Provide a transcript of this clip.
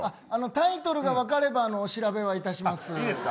タイトルが分かればお調べはいたします。